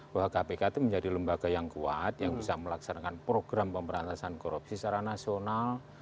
bahwa kpk itu menjadi lembaga yang kuat yang bisa melaksanakan program pemberantasan korupsi secara nasional